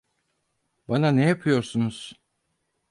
Bana ne yapıyorsunuz?